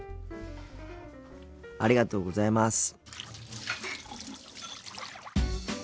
ありがとうございます。